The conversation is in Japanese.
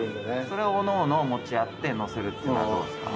それをおのおの持ち合ってのせるっていうのはどうですか？